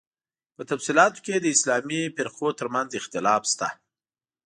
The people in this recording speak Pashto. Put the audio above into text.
په تفصیلاتو کې یې د اسلامي فرقو تر منځ اختلاف شته.